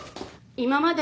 今まで